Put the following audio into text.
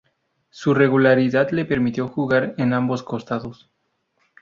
Su regularidad le permitió jugar en ambos costados.